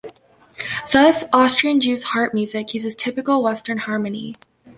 Thus, Austrian Jew's harp music uses typical Western harmony.